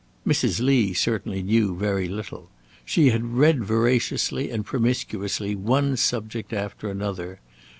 Mrs. Lee certainly knew very little. She had read voraciously and promiscuously one subject after another.